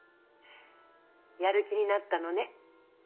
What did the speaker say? やる気になったのね。